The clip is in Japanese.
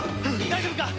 大丈夫か！？